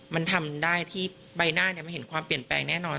มันทำได้ที่ใบหน้ามันเห็นความเปลี่ยนแปลงแน่นอน